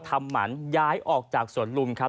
หมันย้ายออกจากสวนลุมครับ